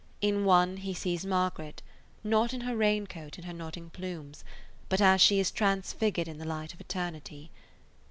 In one he sees Margaret, not in her raincoat and her nodding plumes, but as she is transfigured in the light of eternity.